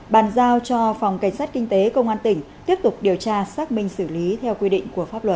bàn giao cho phòng cảnh sát kinh tế công an tỉnh tiếp tục điều tra xác minh xử lý theo quy định của pháp luật